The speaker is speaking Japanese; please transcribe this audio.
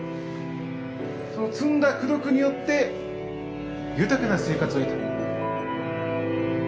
その積んだ功徳によって豊かな生活を得た。